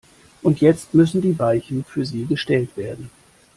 Und jetzt müssen die Weichen für sie gestellt werden.